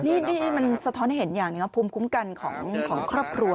นี่มันสะท้อนให้เห็นอย่างหนึ่งว่าภูมิคุ้มกันของครอบครัว